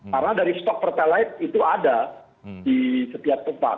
karena dari stok pertamax itu ada di setiap tempat